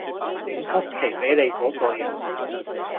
整曲奇畀你嗰個人